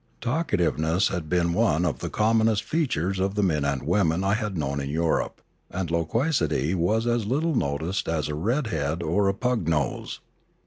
Talkativeness had been one of the commonest features of the men and women I had known in Europe; and loquacity was as little noticed as a red head or a pug nose.